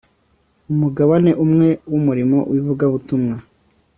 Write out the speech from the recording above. Umugabane umwe wumurimo wivugabutumwa